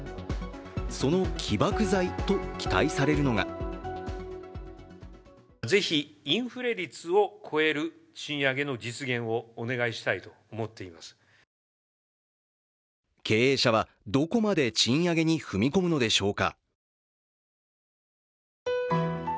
その起爆剤と期待されるのが経営者はどこまで賃上げに踏み込むのでしょうか。